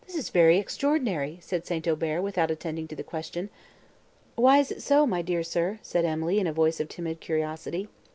"This is very extraordinary!" said St. Aubert without attending to the question. "Why is it so, my dear sir?" said Emily, in a voice of timid curiosity.